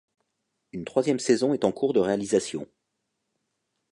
Une troisième saison est en cours de réalisation.